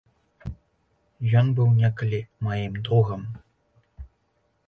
Ён быў некалі маім другам.